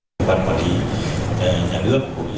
hệ thống điện miền bắc có thể lên tới năm mươi tám triệu kwh